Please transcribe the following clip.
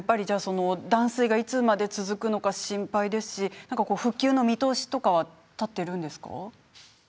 断水がいつまで続くのか心配ですし復旧の見通しとか立っているんですか？